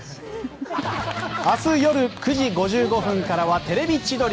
明日夜９時５５分からは「テレビ千鳥」。